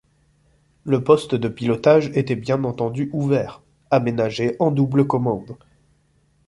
Le poste de pilotage était bien entendu ouvert, aménagé en double commandes.